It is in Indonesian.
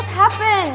nanti kita menunggu